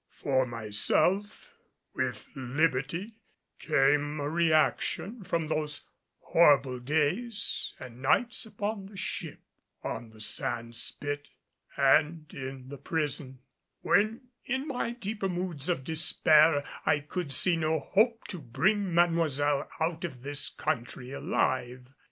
For myself, with liberty came a reaction from those horrible days and nights upon the ship, on the sand spit and in the prison, when in my deeper moods of despair I could see no hope to bring Mademoiselle out of this country alive.